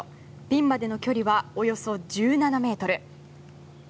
ピンまでの距離はおよそ１７ｍ。